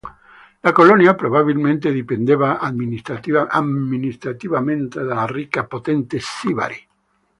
La colonia probabilmente dipendeva amministrativamente dalla ricca e potente Sibari.